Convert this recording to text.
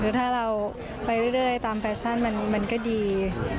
คือถ้าเราไปเรื่อยตามแฟชั่นมันก็ดี